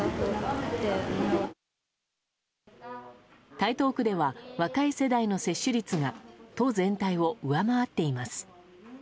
台東区では若い世代の接種率が都全体を上回っています。